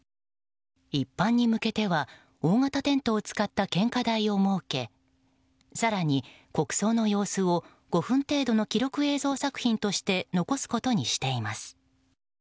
一般に向けては大型テントを使った献花台を設け更に、国葬の様子を５分程度の記録映像作品として残すことにしています。